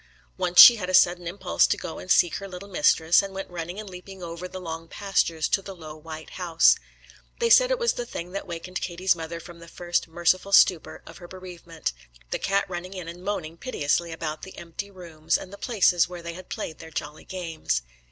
Once she had a sudden impulse to go and seek her little mistress, and went running and leaping over the long pastures to the low white house. They said it was the thing that wakened Katie's mother from the first merciful stupor of her bereavement, the cat running in and moaning piteously about the empty rooms, and the places where they had played their jolly games.